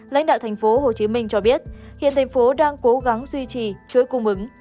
lãnh đạo tp hcm cho biết hiện tp hcm đang cố gắng duy trì chuỗi cung ứng